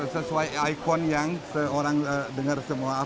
sesuai ikon yang orang dengar semua